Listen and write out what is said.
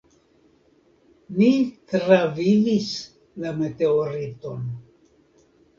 "Ni travivis la meteoriton."